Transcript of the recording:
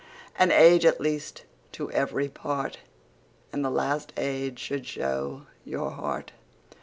An Age at least to every part, And the last Age should show your Heart.